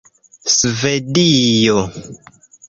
svedio